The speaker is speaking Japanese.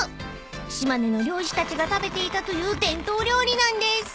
［島根の漁師たちが食べていたという伝統料理なんです］